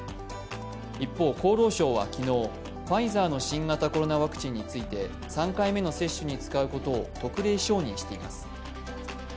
一方、厚労省は昨日、ファイザーの新型コロナワクチンについて、３回目の接種に使うことを特例承認しています。